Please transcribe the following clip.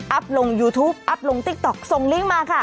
ลงยูทูปอัพลงติ๊กต๊อกส่งลิงก์มาค่ะ